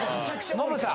ノブさん！